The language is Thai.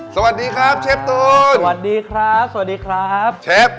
สวัสดีครับเชฟตูนสวัสดีครับสวัสดีครับเชฟ